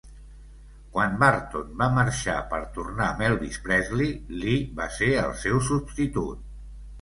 Quan Burton va marxar per tornar amb Elvis Presley, Lee va ser el seu substitut.